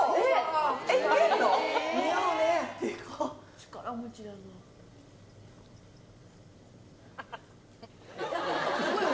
力持ちだよな。